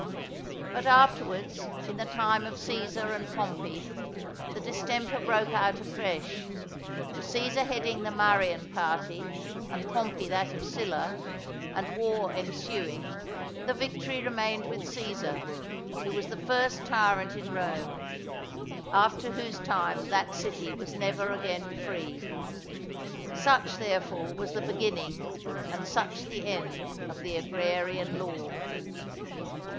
But afterwards, in the time of Cæsar and Pompey, the distemper broke out afresh; for Cæsar heading the Marian party, and Pompey, that of Sylla, and war ensuing, the victory remained with Cæsar, who was the first tyrant in Rome; after whose time that city was never again free. Such, therefore, was the beginning and such the end of the Agrarian Law.